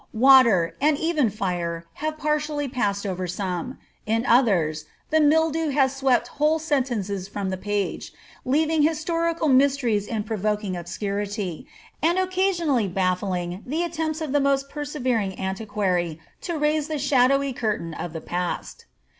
Water, and even fire, have partially passed over some : in others, the mildew has swept whole sentences from the page, leaving histcurica] mysteries in provoking obscurity, and occasionally baffling the attempts of the most persevering antiquary to raise the shadowy curtain of the past.